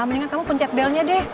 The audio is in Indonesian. mendingan kamu pencet belnya deh